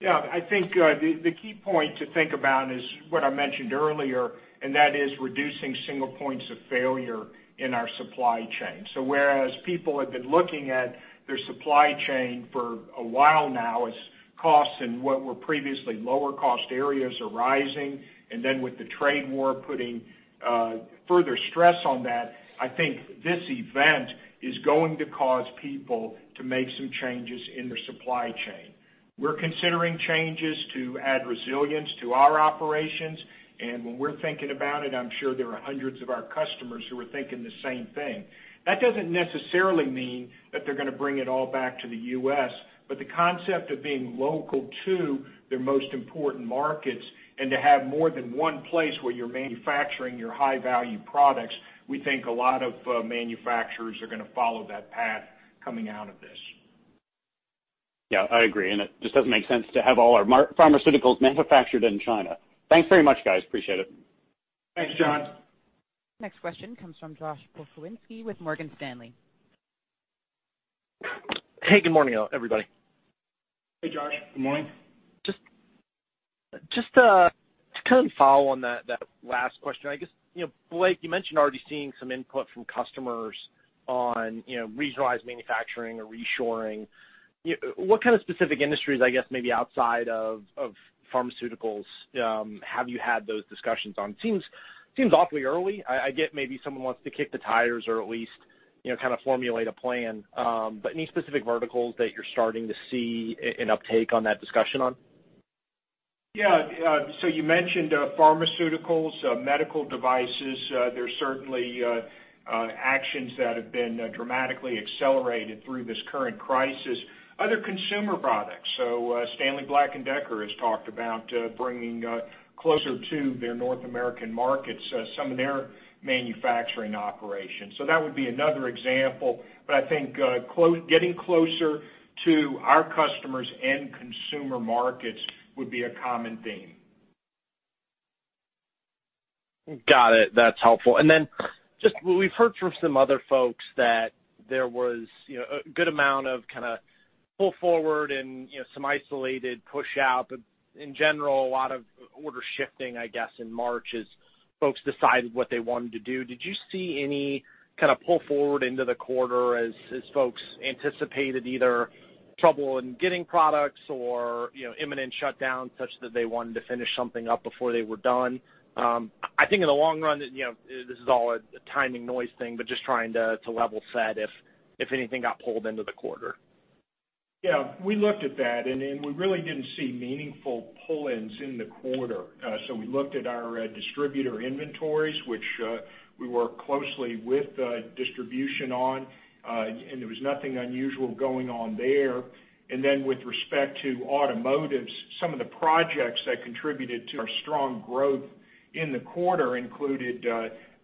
Yeah, I think the key point to think about is what I mentioned earlier, that is reducing single points of failure in our supply chain. Whereas people have been looking at their supply chain for a while now as costs in what were previously lower cost areas are rising, with the trade war putting further stress on that, I think this event is going to cause people to make some changes in their supply chain. We're considering changes to add resilience to our operations. When we're thinking about it, I'm sure there are hundreds of our customers who are thinking the same thing. That doesn't necessarily mean that they're going to bring it all back to the U.S., but the concept of being local to their most important markets, and to have more than one place where you're manufacturing your high-value products, we think a lot of manufacturers are going to follow that path coming out of this. Yeah, I agree. It just doesn't make sense to have all our pharmaceuticals manufactured in China. Thanks very much, guys. Appreciate it. Thanks, John. Next question comes from Josh Pokrzywinski with Morgan Stanley. Hey, good morning, everybody. Hey, Josh. Good morning. Just to kind of follow on that last question. I guess, Blake, you mentioned already seeing some input from customers on regionalized manufacturing or reshoring. What kind of specific industries, I guess, maybe outside of pharmaceuticals, have you had those discussions on? Seems awfully early. I get maybe someone wants to kick the tires or at least kind of formulate a plan. Any specific verticals that you're starting to see an uptake on that discussion on? Yeah. You mentioned pharmaceuticals, medical devices. There's certainly actions that have been dramatically accelerated through this current crisis. Other consumer products. Stanley Black & Decker has talked about bringing closer to their North American markets some of their manufacturing operations. That would be another example. I think getting closer to our customers and consumer markets would be a common theme. Got it. That's helpful. Just we've heard from some other folks that there was a good amount of kind of pull forward and some isolated push out, but in general, a lot of order shifting, I guess, in March as folks decided what they wanted to do. Did you see any kind of pull forward into the quarter as folks anticipated either trouble in getting products or imminent shutdown such that they wanted to finish something up before they were done? I think in the long run, this is all a timing noise thing, but just trying to level set if anything got pulled into the quarter. Yeah. We looked at that, we really didn't see meaningful pull-ins in the quarter. We looked at our distributor inventories, which we work closely with distribution on, and there was nothing unusual going on there. With respect to automotives, some of the projects that contributed to our strong growth in the quarter included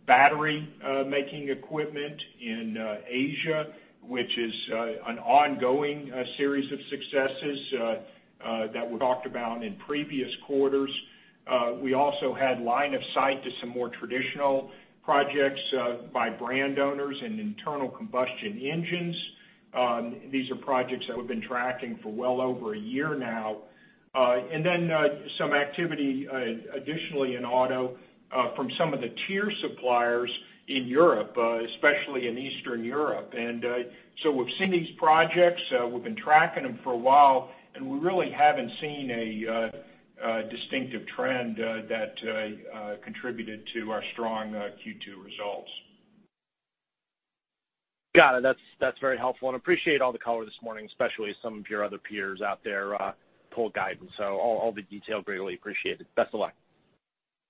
battery-making equipment in Asia, which is an ongoing series of successes that we talked about in previous quarters. We also had line of sight to some more traditional projects by brand owners and internal combustion engines. These are projects that we've been tracking for well over a year now. Some activity additionally in auto from some of the tier suppliers in Europe, especially in Eastern Europe. We've seen these projects, we've been tracking them for a while, and we really haven't seen a distinctive trend that contributed to our strong Q2 results. Got it. That's very helpful. Appreciate all the color this morning, especially some of your other peers out there pulled guidance, so all the detail greatly appreciated. Best of luck.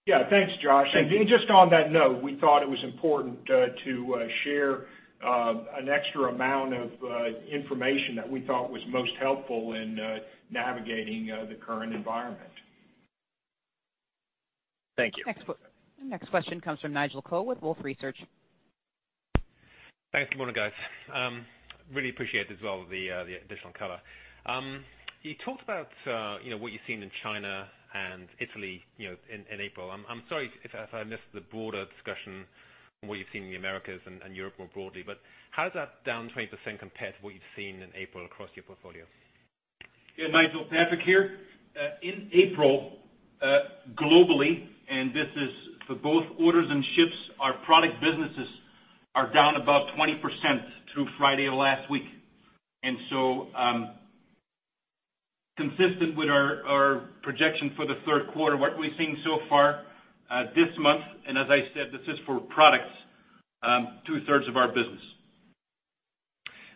Yeah. Thanks, Josh. Just on that note, we thought it was important to share an extra amount of information that we thought was most helpful in navigating the current environment. Thank you. Next question comes from Nigel Coe with Wolfe Research. Thanks. Good morning, guys. Really appreciate as well the additional color. You talked about what you've seen in China and Italy in April. I'm sorry if I missed the broader discussion on what you've seen in the Americas and Europe more broadly, but how is that down 20% compared to what you've seen in April across your portfolio? Yeah, Nigel, Patrick here. In April, globally, and this is for both orders and ships, our product businesses are down about 20% through Friday of last week. Consistent with our projection for the third quarter, what we've seen so far this month, and as I said, this is for products, 2/3 of our business.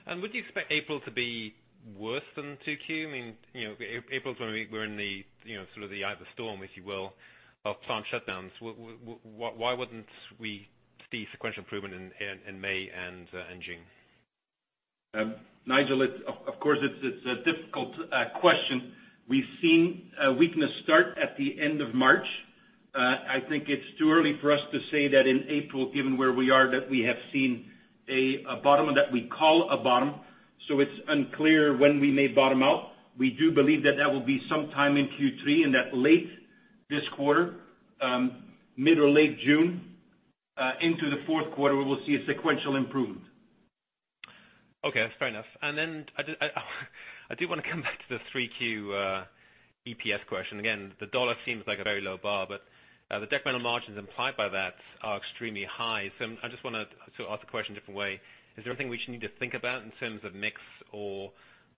Would you expect April to be worse than 2Q? I mean, April is when we're in the sort of the eye of the storm, if you will, of plant shutdowns. Why wouldn't we see sequential improvement in May and June? Nigel, of course, it's a difficult question. We've seen weakness start at the end of March. I think it's too early for us to say that in April, given where we are, that we have seen a bottom, that we call a bottom. It's unclear when we may bottom out. We do believe that that will be sometime in Q3, and that late this quarter, mid or late June into the fourth quarter, we will see a sequential improvement. Okay, fair enough. I do want to come back to the 3Q EPS question. Again, the dollars seems like a very low bar, but the EBITDA margins implied by that are extremely high. I just want to sort of ask the question a different way. Is there anything we should need to think about in terms of mix or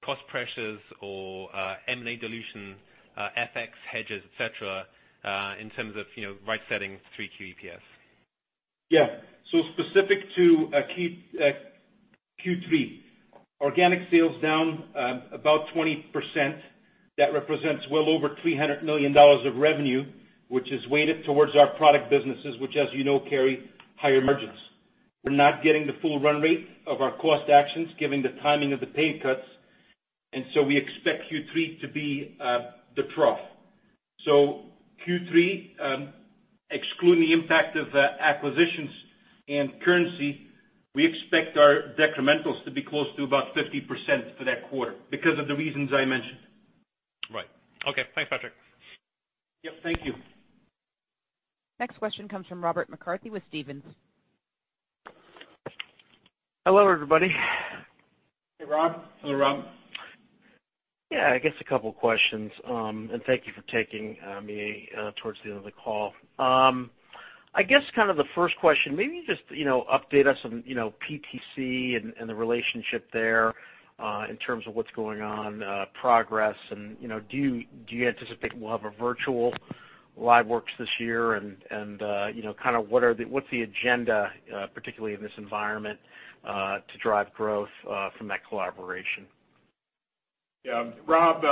cost pressures or M&A dilution, FX hedges, et cetera, in terms of right setting 3Q EPS? Yeah. Specific to Q3, organic sales down about 20%. That represents well over $300 million of revenue, which is weighted towards our product businesses, which as you know, carry higher margins. We're not getting the full run rate of our cost actions, given the timing of the pay cuts, we expect Q3 to be the trough. Q3, excluding the impact of acquisitions and currency, we expect our decrementals to be close to about 50% for that quarter because of the reasons I mentioned. Right. Okay. Thanks, Patrick. Yep, thank you. Next question comes from Robert McCarthy with Stephens. Hello, everybody. Hey, Rob. Hello, Rob. Yeah, I guess a couple questions. Thank you for taking me towards the end of the call. I guess kind of the first question, maybe just update us on PTC and the relationship there, in terms of what's going on, progress and do you anticipate we'll have a virtual LiveWorx this year? What's the agenda, particularly in this environment, to drive growth from that collaboration? Rob,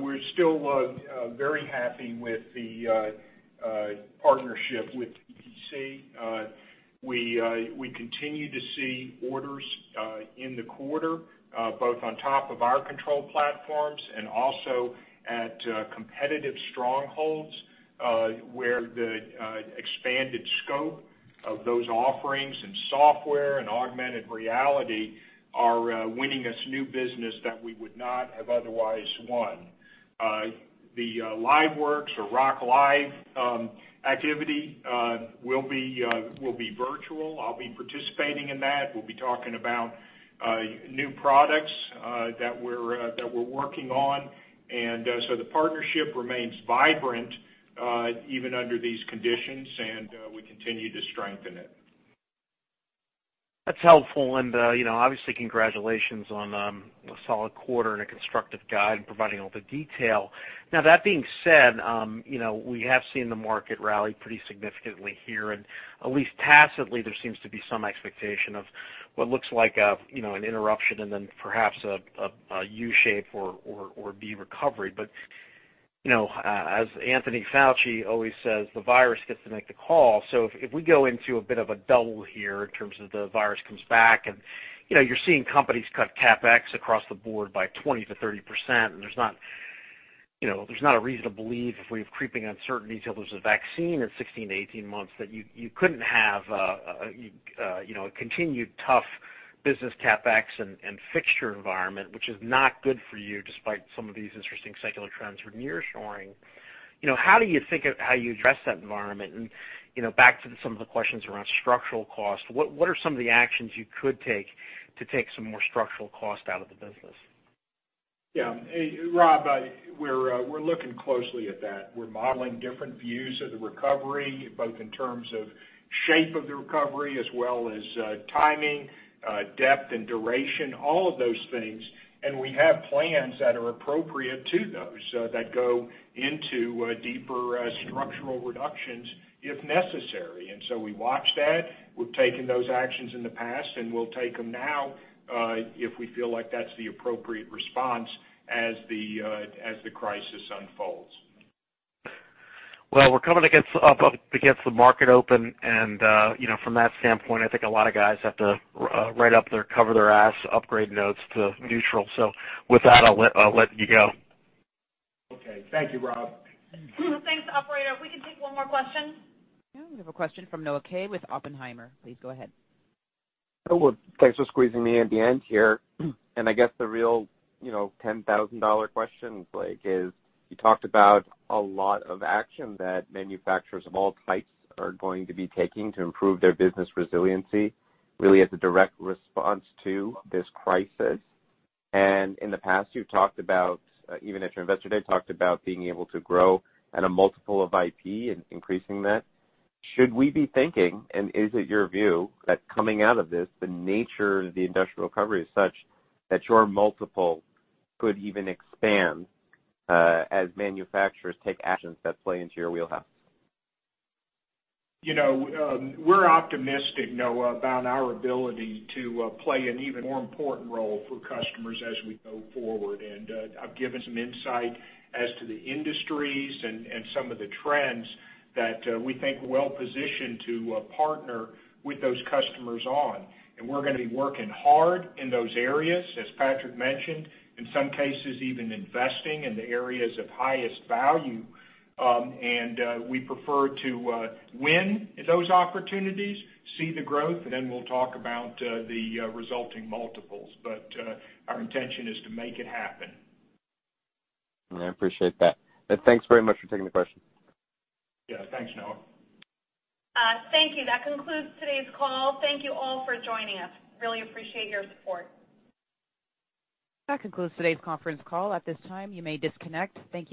we're still very happy with the partnership with PTC. We continue to see orders in the quarter, both on top of our control platforms and also at competitive strongholds, where the expanded scope of those offerings in software and augmented reality are winning us new business that we would not have otherwise won. The LiveWorx or ROKLive activity will be virtual. I'll be participating in that. We'll be talking about new products that we're working on. The partnership remains vibrant even under these conditions, and we continue to strengthen it. That's helpful. Obviously, congratulations on a solid quarter and a constructive guide and providing all the detail. That being said, we have seen the market rally pretty significantly here, and at least tacitly, there seems to be some expectation of what looks like an interruption and then perhaps a U-shape or V recovery. As Anthony Fauci always says, the virus gets to make the call. If we go into a bit of a double here in terms of the virus comes back and you're seeing companies cut CapEx across the board by 20%-30%, and there's not a reason to believe if we have creeping uncertainty till there's a vaccine in 16-18 months, that you couldn't have a continued tough business CapEx and fixture environment, which is not good for you despite some of these interesting secular trends from nearshoring. How do you think how you address that environment? Back to some of the questions around structural cost, what are some of the actions you could take to take some more structural cost out of the business? Yeah. Rob, we're looking closely at that. We're modeling different views of the recovery, both in terms of shape of the recovery as well as timing, depth and duration, all of those things. We have plans that are appropriate to those, that go into deeper structural reductions if necessary. We watch that. We've taken those actions in the past, and we'll take them now, if we feel like that's the appropriate response as the crisis unfolds. Well, we're coming up against the market open. From that standpoint, I think a lot of guys have to write up their cover their ass upgrade notes to neutral. With that, I'll let you go. Okay. Thank you, Rob. Thanks. Operator, if we can take one more question. Yeah. We have a question from Noah Kaye with Oppenheimer. Please go ahead. Hello. Thanks for squeezing me in at the end here. I guess the real $10,000 question is, you talked about a lot of action that manufacturers of all types are going to be taking to improve their business resiliency, really as a direct response to this crisis. In the past, you've talked about, even at your Investor Day, talked about being able to grow at a multiple of IP and increasing that. Should we be thinking, and is it your view that coming out of this, the nature of the industrial recovery is such that your multiple could even expand as manufacturers take actions that play into your wheelhouse? We're optimistic, Noah, about our ability to play an even more important role for customers as we go forward. I've given some insight as to the industries and some of the trends that we think we're well-positioned to partner with those customers on. We're going to be working hard in those areas, as Patrick mentioned, in some cases even investing in the areas of highest value. We prefer to win those opportunities, see the growth, and then we'll talk about the resulting multiples. Our intention is to make it happen. I appreciate that. Thanks very much for taking the question. Yeah. Thanks, Noah. Thank you. That concludes today's call. Thank you all for joining us. Really appreciate your support. That concludes today's conference call. At this time, you may disconnect. Thank you.